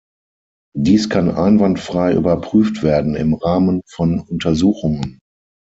Dies kann einwandfrei überprüft werden im Rahmen von Untersuchungen.